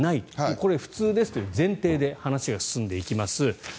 これ、普通ですという前提で話が進んでいきます。